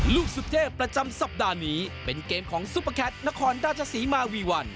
ลูกสุเทพประจำสัปดาห์นี้เป็นเกมของซุปเปอร์แคทนครราชศรีมาวีวัน